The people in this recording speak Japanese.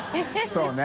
そうね。